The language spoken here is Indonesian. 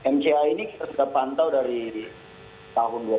mca ini kita sudah pantau dari tahun dua ribu